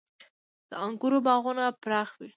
• د انګورو باغونه پراخ وي.